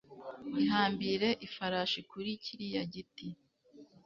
ihambire ifarashi kuri kiriya giti